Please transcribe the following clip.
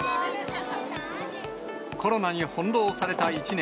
コロナに翻弄された一年。